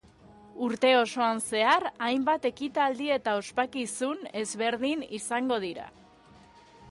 Urte osoan zehar, hainbat ekitaldi eta ospakizun ezberdin izango dira.